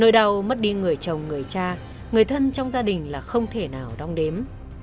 nơi đau mất đi người chồng người cha người thân trong gia đình là không thể nào đong đếm